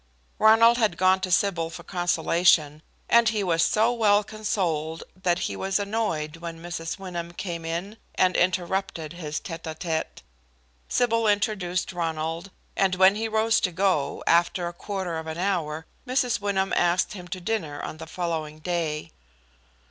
Ronald had gone to Sybil for consolation, and he was so well consoled that he was annoyed when Mrs. Wyndham came in and interrupted his tête à tête. Sybil introduced Ronald, and when he rose to go, after a quarter of an hour, Mrs. Wyndham asked him to dinner on the following day.